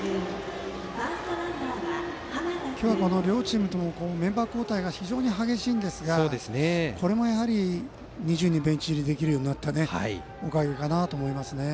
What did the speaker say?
今日は両チームともメンバー交代が非常に激しいんですがこれもやはり、２０人ベンチ入りできるようになったおかげかなと思います。